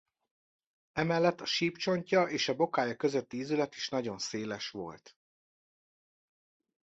Emellett a sípcsontja és a bokája közötti ízület is nagyon széles volt.